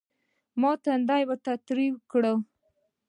ما تندى ورته تريو کړ.